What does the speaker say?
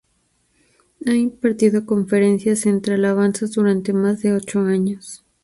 Ha impartido conferencias sobre alabanzas durante más de ocho años.